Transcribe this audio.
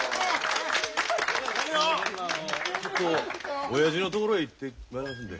ちょっとおやじのところへ行ってまいりますんで。